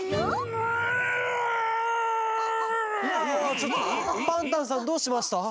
ちょっとパンタンさんどうしました？